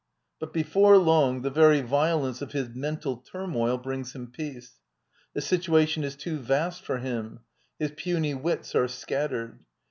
j But before long the very violence of his mental / tunnoil brings him peace. The situation is too vast for him ; his puny wits are scattered.